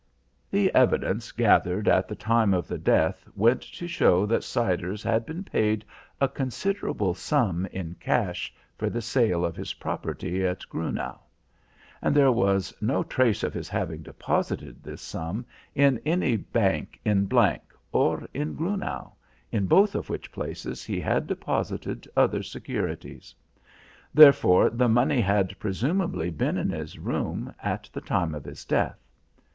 The evidence gathered at the time of the death went to show that Siders had been paid a considerable sum in cash for the sale of his property at Grunau. And there was no trace of his having deposited this sum in any bank in G or in Grunau, in both of which places he had deposited other securities. Therefore the money had presumably been in his room at the time of his death.